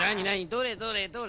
どれどれどれ？